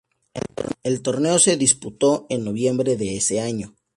El torneo se disputó en noviembre de ese año.